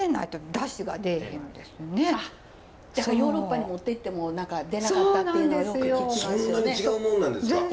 だからヨーロッパに持っていっても出なかったっていうのはよく聞きますよね。